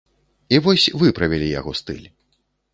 І вось выправілі яго стыль.